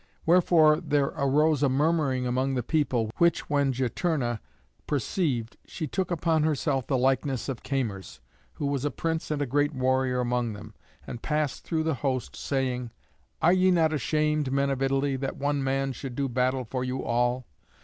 Wherefore there arose a murmuring among the people, which when Juturna perceived, she took upon herself the likeness of Camers, who was a prince and a great warrior among them, and passed through the host, saying, "Are ye not ashamed, men of Italy, that one man should do battle for you all?